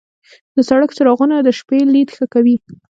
د سړک څراغونه د شپې لید ښه کوي.